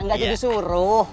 nggak jadi suruh